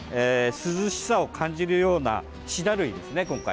涼しさを感じるようなシダ類ですね、今回。